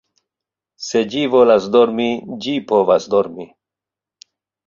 Se ĝi volas dormi, ĝi povas dormi